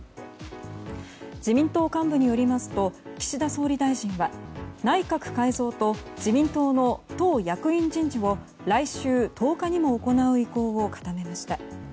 自民党幹部によりますと岸田総理大臣は内閣改造と自民党の党役員人事を来週１０日にも行う意向を固めました。